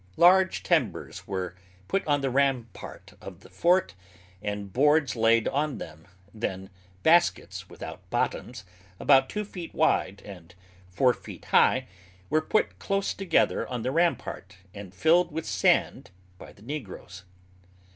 Large timbers were put on the rampart of the fort, and boards laid on them, then baskets, without bottoms, about two feet wide, and four feet high, were put close together on the rampart, and filled with sand by the negroes.